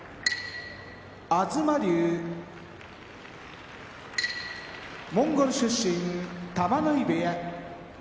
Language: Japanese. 東龍モンゴル出身玉ノ井部屋